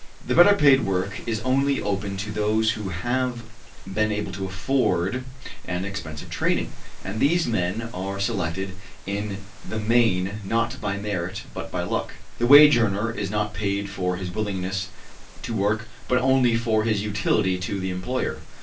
The better paid work is only open to those who have been able to afford an expensive training, and these men are selected in the main not by merit but by luck. The wage earner is not paid for his willingness to work, but only for his utility to the employer.